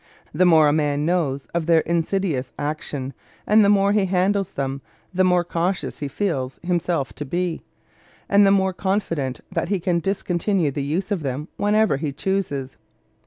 The more a man knows of their insidious action and the more he handles them, the more cautious he feels himself to be, and the more confident that he can discontinue the use of them whenever he chooses.